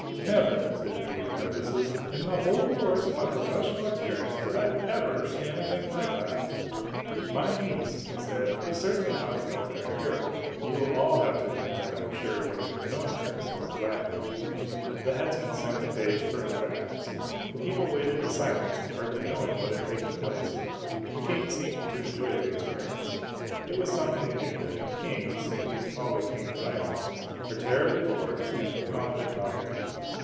" Never," said he with emphasis, " in the whole course of my pro fessional experience, did I ever see anything like that." 104 IMAGINOTIONS " My niece," I said, " is certainly not an ordinary girl. You '11 all admit that, I am sure, when you have known her as long as I have." The headsman sent the page for another ax. The people waited in silence, hardly knowing what had taken place. The King seemed to enjoy the experience. It was something new, and kings (at least all the kings I know) are terribly bored, and fond of nov elty.